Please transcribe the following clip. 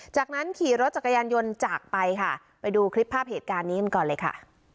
จากนั้นขี่รถจักรยานยนต์จากไปค่ะไปดูคลิปภาพเหตุการณ์นี้กันก่อนเลยค่ะ